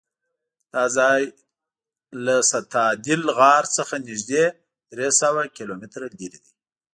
دا ځای له ستادل غار څخه نږدې درېسوه کیلومتره لرې دی.